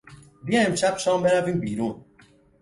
بیا امشب شام برویم بیرون!